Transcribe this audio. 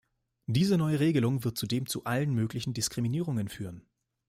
Diese neue Regelung wird zudem zu allen möglichen Diskriminierungen führen.